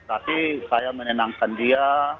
tapi saya menenangkan dia